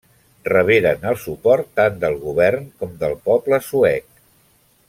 Reberen el suport tant del govern com del poble suec.